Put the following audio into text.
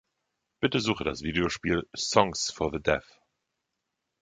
Bitte suche das Videospiel „Songs for the Deaf“.